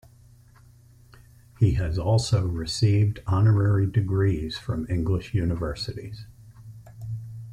He has also received honorary degrees from English universities.